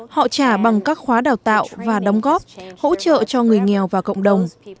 họ trả bằng các khóa đào tạo và đóng góp hỗ trợ cho người nghèo và cộng đồng